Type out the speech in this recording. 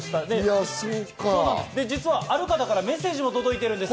実はある方からメッセージも届いているんです。